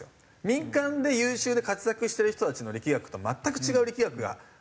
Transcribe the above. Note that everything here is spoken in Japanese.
民間で優秀で活躍してる人たちの力学と全く違う力学が働いてるので。